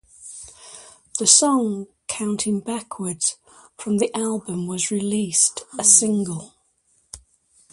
The song "Counting Backwards" from the album was released a single.